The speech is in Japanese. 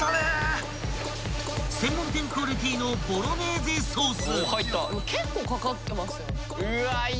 ［専門店クオリティーのボロネーゼソース］